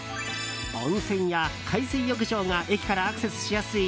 温泉や海水浴場が駅からアクセスしやすい